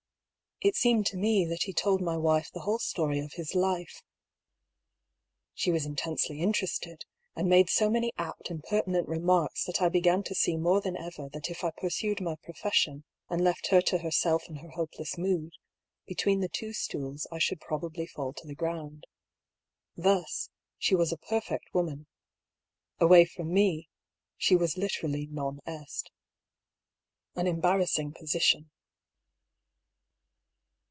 It seemed to me that he told my wife the whole story of his life. She was intensely interested, and made so many apt and pertinent remarks that I began to see 144 DR. PAULL'S THEORY. more than ever that if I pursued my profession, and left her to herself and her hopeless mood, between the two stools I should probably fall to the ground. Thus, she was a perfect woman. Away from me, she was literally non est. • An embarrassing position.